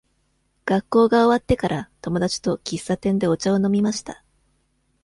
学校が終わってから、友達と喫茶店でお茶を飲みました。